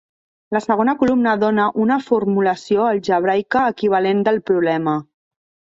La segona columna dóna una formulació algebraica equivalent del problema.